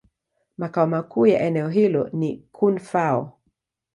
Makao makuu ya eneo hilo ni Koun-Fao.